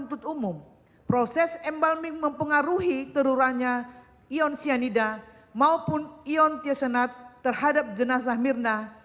terurahnya ion cyanida maupun ion tiosenat terhadap jenazah mirna